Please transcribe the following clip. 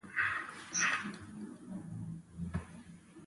ساده اوبه د روغتیا راز دي